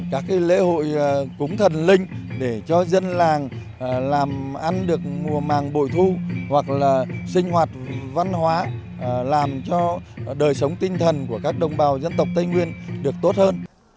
các lễ hội cúng thần linh để cho dân làng làm ăn được mùa màng bội thu hoặc là sinh hoạt văn hóa làm cho đời sống tinh thần của các đồng bào dân tộc tây nguyên được tốt hơn